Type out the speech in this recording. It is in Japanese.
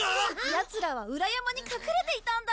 ヤツらは裏山に隠れていたんだ。